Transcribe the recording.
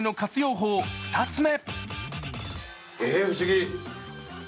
法２つ目。